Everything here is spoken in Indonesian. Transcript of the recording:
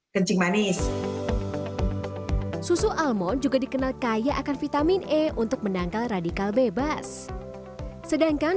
kencing manis susu almon juga dikenal kaya akan vitamin e untuk menangkal radikal bebas sedangkan